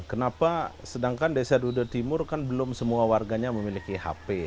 kenapa sedangkan desa dudo timur kan belum semua warganya memiliki hp